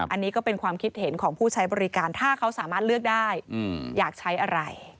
อันนี้ก็เป็นความคิดเห็นของผู้ใช้บริการถ้าเขาสามารถเลือกได้อยากใช้อะไร